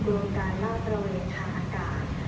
ดูการลาดตระเวนทางอากาศ